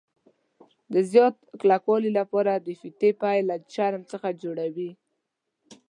د زیات کلکوالي له پاره د فیتې پیل له چرم څخه جوړوي.